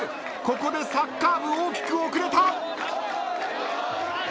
ここでサッカー部大きく遅れた！